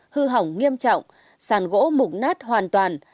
hư hỏng nghiêm trọng sàn gỗ mục nát hoàn toàn